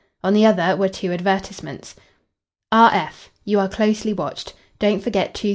On the other were two advertisements "R.F. You are closely watched. Don't forget 2315.